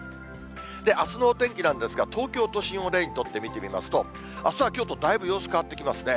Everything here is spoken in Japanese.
あすのお天気なんですが、東京都心を例にとって見てみますと、あすはきょうとだいぶ様子変わってきますね。